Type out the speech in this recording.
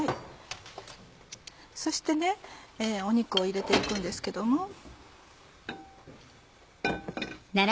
そして肉を入れて行くんですけども。